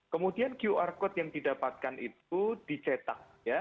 kemudian qr code yang didapatkan itu dicetak